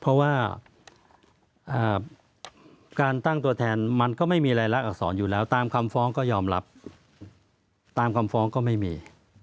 เพราะว่าการตั้งตัวแทนมันก็ไม่มีรายลักษรอยู่แล้วตามคำฟ้องก็ยอมรับตามคำฟ้องก็ไม่มี